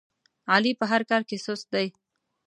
علي په هر کار کې سست دی.